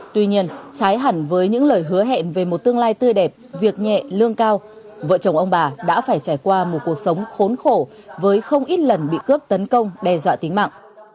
tuy nhiên trái hẳn với những lời hứa hẹn về một tương lai tươi đẹp việc nhẹ lương cao vợ chồng ông bà đã phải trải qua một cuộc sống khốn khổ với không ít lần bị cướp tấn công đe dọa tính mạng